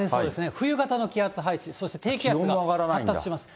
冬型の気圧配置、そして、低気圧が発達します。